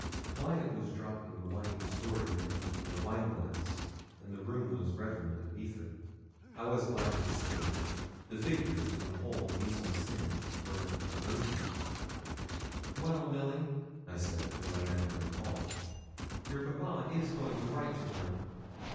Wyat was dropping the 'white' restorative into a wine glass and the room was redolent of ether. I was glad to escape. The figures and whole mise en scène were unearthly. 'Well, Milly,' I said, as I met her in the hall, 'your papa is going to write to him.'